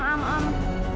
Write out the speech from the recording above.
baca aja susah banget